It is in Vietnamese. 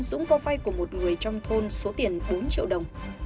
dũng đã bắt tay của một người trong thôn số tiền bốn triệu đồng